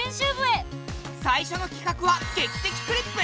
最初のきかくは「劇的クリップ」！